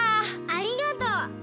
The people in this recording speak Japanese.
ありがとう！